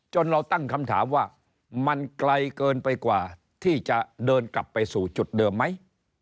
เราตั้งคำถามว่ามันไกลเกินไปกว่าที่จะเดินกลับไปสู่จุดเดิมไหม